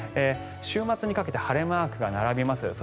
週末にかけて晴れマークが並びます。